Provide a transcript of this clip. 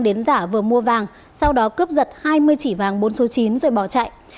đến giả vừa mua vàng sau đó cướp giật hai mươi chỉ vàng bốn số chín rồi bỏ chạy